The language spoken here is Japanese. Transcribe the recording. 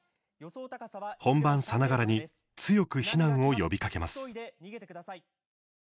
本番さながらに強く避難を呼びかけます。